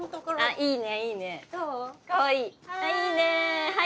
いいね。